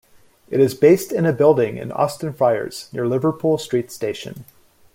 It is based in a building in Austin Friars, near Liverpool Street station.